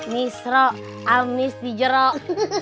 misro almis di jeruk